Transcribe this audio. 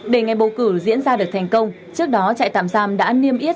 để ngày bầu cử diễn ra được thành công trước đó trại tạm giam đã niêm yết